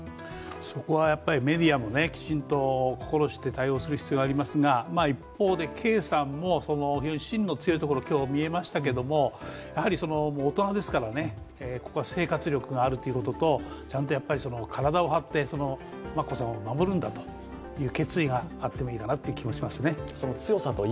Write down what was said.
そこはメディアもきちんと心して対応する必要がありますが、一方で圭さんも芯が強いところが今日、見えましたけれどもやはり生活力があるということとちゃんと体を張って眞子さまを守るんだという決意があってもいいかなという気もしますね。